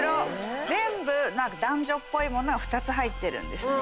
全部男女っぽい物が２つ入ってるんですね。